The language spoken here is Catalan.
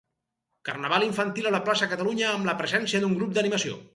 Carnaval infantil a la Plaça Catalunya amb la presència d'un grup d'animació.